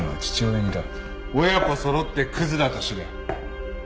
親子揃ってクズだと知れ。